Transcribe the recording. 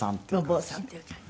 お坊さんっていう感じ。